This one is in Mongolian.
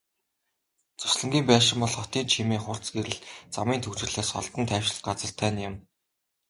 Зуслангийн байшин бол хотын чимээ, хурц гэрэл, замын түгжрэлээс холдон тайвшрах газар тань юм.